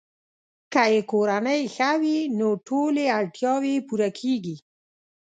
که یې کورنۍ ښه وي، نو ټولې اړتیاوې یې پوره کیږي.